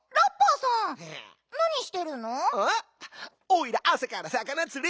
「おいらあさからさかなつり」